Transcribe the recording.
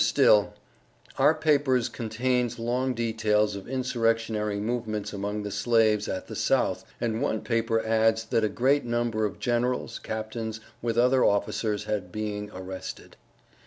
STILL: Our Pappers contains long details of insurrectionary movements among the slaves at the South and one paper adds that a great Nomber of Generals, Captains with other officers had being arrested.